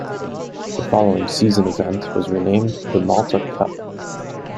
The following season event was renamed the Malta Cup.